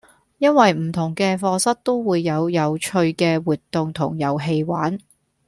因為唔同嘅課室都會有有趣嘅活動同遊戲玩